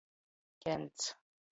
Kents.